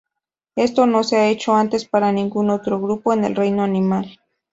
Esto no se ha hecho antes para ningún otro grupo en el reino animal.